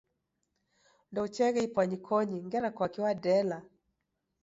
Ndoucheeghe ipwanyikonyi ngera kwaki wadela?